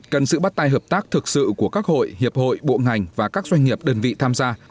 cần sự bắt tay hợp tác thực sự của các hội hiệp hội bộ ngành và các doanh nghiệp đơn vị tham gia